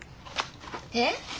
えっ？